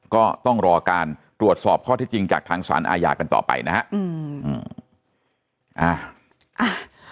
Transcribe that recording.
ก็ต้องรอการตรวจสอบข้อที่จริงจากทางสารอาญากันต่อไปนะฮะอืมอ่า